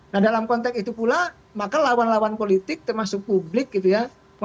nah dalam konteks itu pula maka lawan lawan politik termasuk publik gitu ya